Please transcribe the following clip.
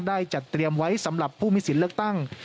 จัดเตรียมไว้สำหรับผู้มีสิทธิ์เลือกตั้ง